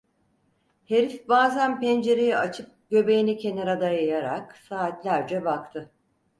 Herif bazen pencereyi açıp göbeğini kenara dayayarak saatlerce baktı.